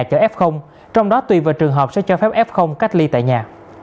chở f trong đó tùy vào trường hợp sẽ cho phép f cách ly tại nhà